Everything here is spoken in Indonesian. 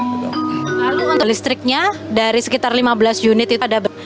lalu untuk listriknya dari sekitar lima belas unit itu ada berapa